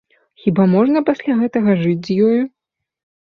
Хіба можна пасля гэтага жыць з ёю?